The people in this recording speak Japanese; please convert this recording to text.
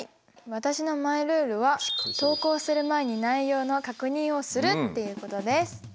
私のマイルールは投稿する前に内容の確認をするっていうことです。